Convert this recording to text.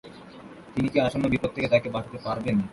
তিনি কি আসন্ন বিপদ থেকে তাকে বাঁচাতে পারবেন?